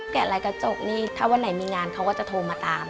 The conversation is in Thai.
ลายกระจกนี่ถ้าวันไหนมีงานเขาก็จะโทรมาตาม